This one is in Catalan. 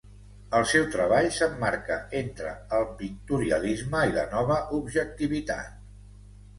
El seu treball s'emmarca entre el pictorialisme i la nova objectivitat.